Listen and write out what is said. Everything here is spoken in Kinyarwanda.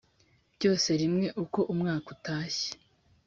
byose rimwe uko umwaka utashye